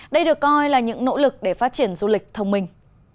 đây được coi là những nỗ lực để phát triển du lịch thông minh